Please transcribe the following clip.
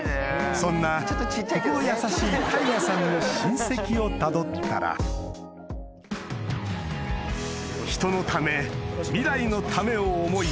そんな心優しい大我さんの親戚をたどったら人のため未来のためを思い